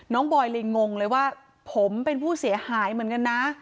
บอยเลยงงเลยว่าผมเป็นผู้เสียหายเหมือนกันนะ